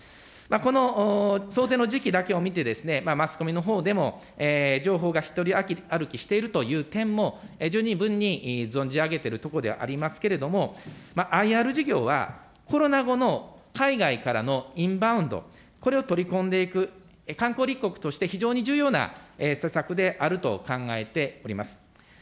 この想定の時期だけを見て、マスコミのほうでも情報が独り歩きしているという点も、十二分に存じ上げているところでありますけれども、ＩＲ事業は、コロナ後の海外からのインバウンド、これを取り込んでいく、観光立国として非常に重要な施策であると考えております。